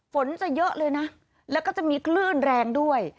ฝนจะเยอะเลยนะแล้วก็จะมีคลื่นแรงด้วย